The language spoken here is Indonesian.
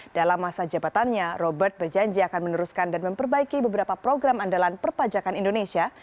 dalam masa jabatannya robert berjanji akan meneruskan dan memperbaiki beberapa program andalan perpajakan indonesia